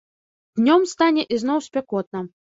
Днём стане ізноў спякотна.